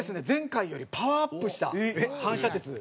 前回よりパワーアップした反射鉄